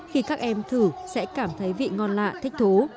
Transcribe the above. khi các em thử sẽ cảm thấy vị ngon lạ thích thú